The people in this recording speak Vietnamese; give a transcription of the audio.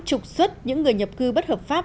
trục xuất những người nhập cư bất hợp pháp